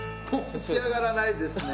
持ち上がらないですね。